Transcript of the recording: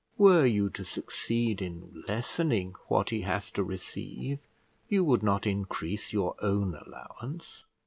Were you to succeed in lessening what he has to receive, you would not increase your own allowance.